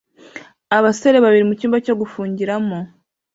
Abasore babiri mucyumba cyo gufungiramo